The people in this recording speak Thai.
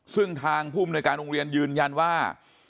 ซึ่งทางผู้มนุยการโรงเรียนยืนยันว่า